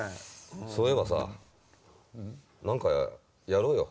そういえばさ何かやろうよ。